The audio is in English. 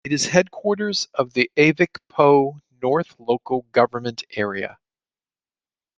It is the headquarters of the Afikpo North Local Government Area.